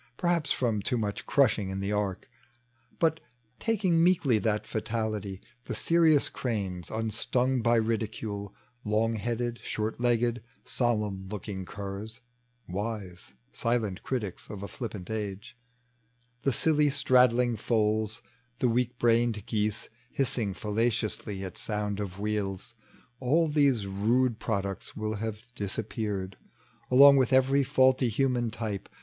Perhaps from too much crushing in the ark, .tec bv Google A MIKOB PROPHET. 1 But taking meoklj that fatality ; The serioua cranes, unstung by ridicule ; Long headed, Bhoit legged, solemn looking curs, (Wise, silent critics of a flippant age) ; The silly straddling foals, the weak brained geese Hissing fallaciously at sonad of wheels — All these rude products will have disappeared Along with every faulty human type.